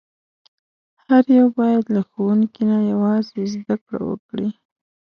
هر یو باید له ښوونکي نه یوازې زده کړه وکړي.